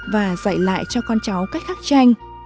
và dạy lại cho con cháu cách khắc tranh